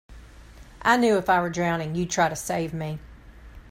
I knew if I were drowning you'd try to save me.